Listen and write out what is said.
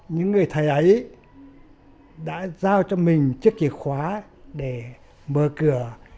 những người thầy ấy đã giao cho mình chiếc chìa khóa để mở cửa